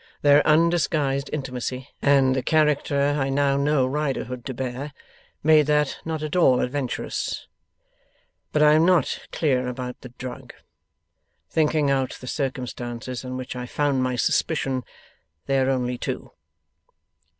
Their undisguised intimacy, and the character I now know Riderhood to bear, made that not at all adventurous. But I am not clear about the drug. Thinking out the circumstances on which I found my suspicion, they are only two.